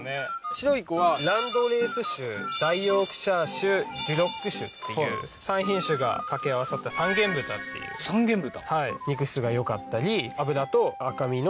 白い子はランドレース種大ヨークシャー種デュロック種っていう３品種が掛け合わさった三元豚っていう三元豚？